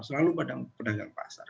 selalu pedagang pasar